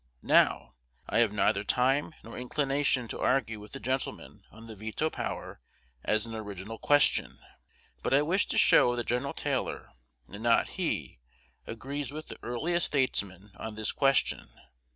Now, I have neither time nor inclination to argue with the gentleman on the veto power as an original question; but I wish to show that Gen. Taylor, and not he, agrees with the earliest statesmen on this question.